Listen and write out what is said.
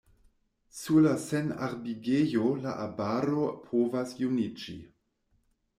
Sur la senarbigejo la arbaro povas juniĝi.